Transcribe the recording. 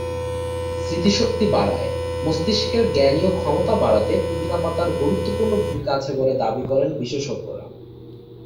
স্মৃতিশক্তি বাড়ায়: মস্তিষ্কের জ্ঞানীয় ক্ষমতা বাড়াতে পুদিনা পাতার গুরুত্বপূর্ণ ভূমিকা আছে বলে দাবি করেন বিশেষজ্ঞরা।